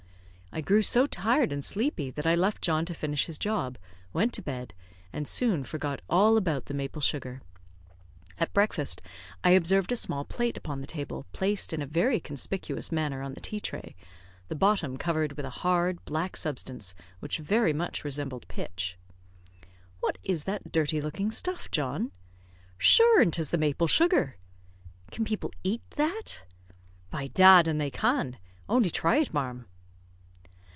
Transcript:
I grew so tired and sleepy that I left John to finish his job, went to bed, and soon forgot all about the maple sugar. At breakfast I observed a small plate upon the table, placed in a very conspicuous manner on the tea tray, the bottom covered with a hard, black substance, which very much resembled pitch. "What is that dirty looking stuff, John?" "Shure an 'tis the maple sugar." "Can people eat that?" "By dad, an' they can; only thry it, ma'arm."